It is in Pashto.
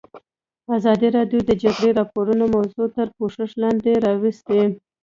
ازادي راډیو د د جګړې راپورونه موضوع تر پوښښ لاندې راوستې.